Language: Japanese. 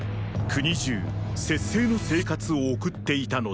国中節制の生活を送っていたのだが。